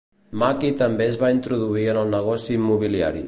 Mackie també es va introduir en el negoci immobiliari.